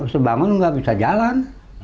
sebangun nggak bisa jalan